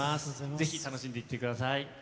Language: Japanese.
ぜひ、楽しんでいってください。